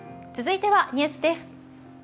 続いては、ニュースです。